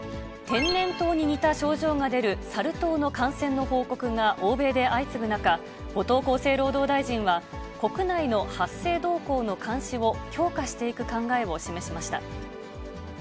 天然痘に似た症状が出るサル痘の感染の報告が欧米で相次ぐ中、後藤厚生労働大臣は、国内の発生動向の監視を強化していく考えを示しました。